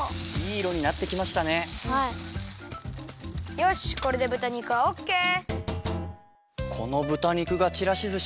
よしこれでぶた肉はオッケー。